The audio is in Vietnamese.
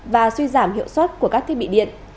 và suy giảm hiệu suất của các thiết bị điện